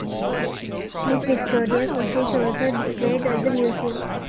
His Victoria Cross is also displayed at the museum.